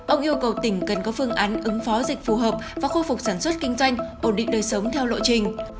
ông yêu cầu tỉnh cần có phương án ứng phó dịch phù hợp và khôi phục sản xuất kinh doanh ổn định đời sống theo lộ trình